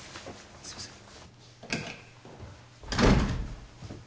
すいません